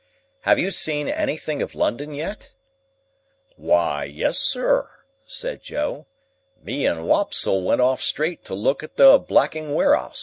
"Have you seen anything of London yet?" "Why, yes, Sir," said Joe, "me and Wopsle went off straight to look at the Blacking Ware'us.